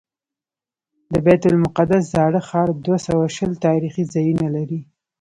د بیت المقدس زاړه ښار دوه سوه شل تاریخي ځایونه لري.